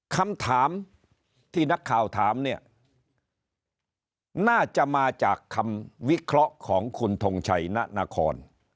คำถามที่นักข่าวถามเนี่ยน่าจะมาจากคำวิเคราะห์ของคุณทงชัยณนคร